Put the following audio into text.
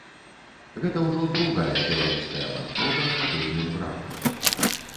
Гэта ўжо другая беларуская банкнота з падобным бракам.